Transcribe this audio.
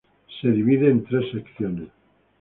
Se divide en tres secciones.